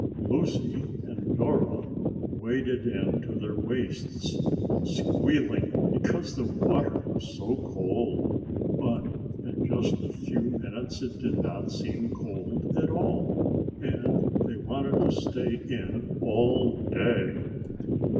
Lucy and Dora waded in to their waists, squealing because the water was so cold. But in just a few minutes it did not seem cold at all, and they wanted to stay in all day.